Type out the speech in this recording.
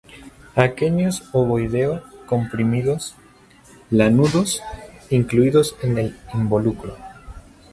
Aquenios ovoideo-comprimidos, lanudos, incluidos en el involucro.